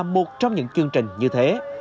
một trong những chương trình như thế